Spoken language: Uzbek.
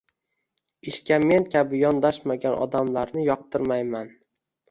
Ishga men kabi yondashmagan odamlarni yoqtirmayman